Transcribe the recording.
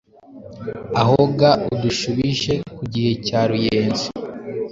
Aho ga udushubije ku gihe cya Ruyenzi.